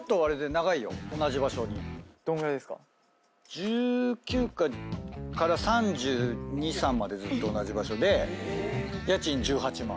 １９から３２３３までずっと同じ場所で家賃１８万。